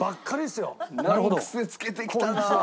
難癖つけてきたなあ！